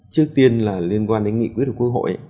trước tiên là liên quan đến nghị quyết của quốc hội